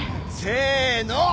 せの！